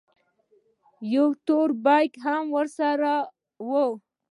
يو تور بېګ هم ورسره و.